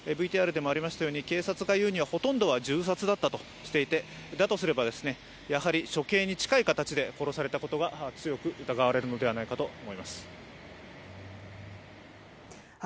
ＶＴＲでもありましたように、警察が言うようにほとんどが銃殺だとされていてだとすれば、やはり処刑に近い形で殺されたことが強く疑われるのではないかと思います。